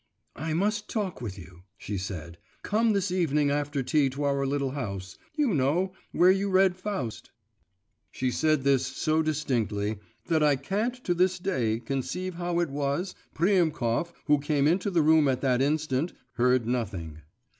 'I must talk with you,' she said; 'come this evening after tea to our little house … you know, where you read Faust.' She said this so distinctly that I can't to this day conceive how it was Priemkov, who came into the room at that instant, heard nothing.